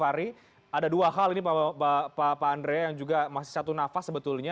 hari ada dua hal ini pak andrea yang juga masih satu nafas sebetulnya